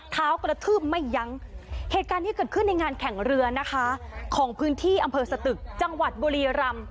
กระทืบไม่ยั้งเหตุการณ์ที่เกิดขึ้นในงานแข่งเรือนะคะของพื้นที่อำเภอสตึกจังหวัดบุรีรำ